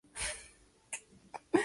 Guantes, calcetines y zapatillas blancas.